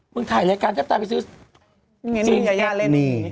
มึงถ่ายรายการแทบไปซื้อ